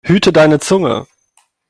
Hüte deine Zunge!